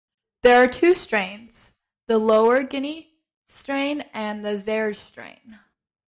There are two strains: the Lower Guinea strain and the Zaire strain.